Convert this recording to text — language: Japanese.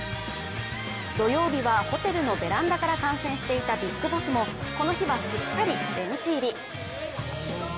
土曜日はホテルのベランダから観戦していたビッグボスもこの日はしっかりベンチ入り。